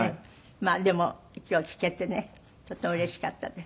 まあでも今日聴けてねとてもうれしかったです。